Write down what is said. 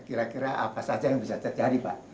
kira kira apa saja yang bisa terjadi pak